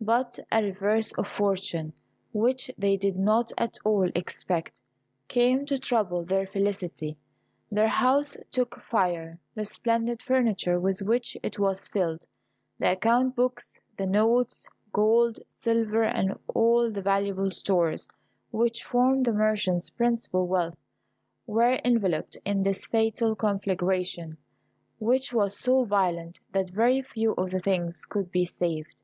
But a reverse of fortune which they did not at all expect, came to trouble their felicity. Their house took fire; the splendid furniture with which it was filled, the account books, the notes, gold, silver, and all the valuable stores which formed the merchant's principal wealth, were enveloped in this fatal conflagration, which was so violent that very few of the things could be saved.